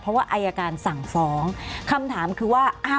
เพราะว่าอายการสั่งฟ้องคำถามคือว่า